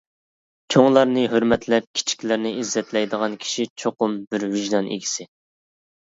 چوڭلارنى ھۆرمەتلەپ، كىچىكلەرنى ئىززەتلەيدىغان كىشى چوقۇم بىر ۋىجدان ئىگىسى.